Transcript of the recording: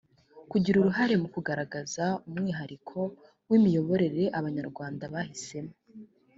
kugira uruhare mu kugaragaza umwihariko w imiyoborere abanyarwanda bahisemo